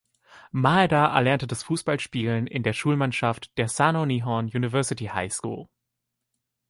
Maeda erlernte das Fußballspielen in der Schulmannschaft der "Sano Nihon University High School".